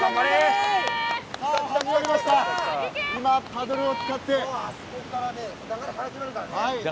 パドルを使って。